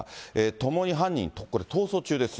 ともに犯人、これ、逃走中です。